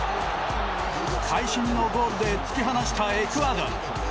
会心のゴールで突き放したエクアドル。